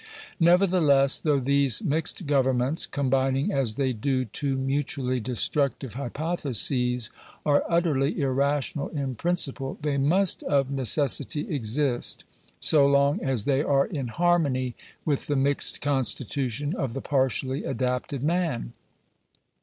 Nevertheless, though these mixed governments, combining as they do two mutually destructive hypotheses, are utterly irrational in principle, they must of necessity exist, so long as they are in harmony with the mixed constitution of the partially adapted man.